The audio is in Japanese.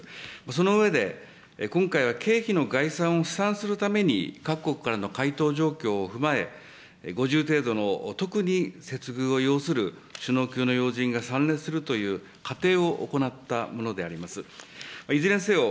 その上で、今回は経費の概算を試算するために、各国からの回答状況を踏まえ、５０程度の特に、接遇を要する、首脳級の要人が参列するという仮定を行ったものであります。